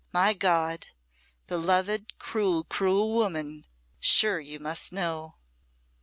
My God! beloved, cruel, cruel woman sure you must know!"